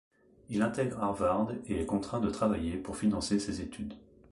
Il intègre Harvard et est contraint de travailler pour financer ses études.